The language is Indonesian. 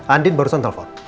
andin barusan telepon